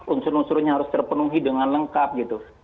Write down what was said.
unsur unsurnya harus terpenuhi dengan lengkap gitu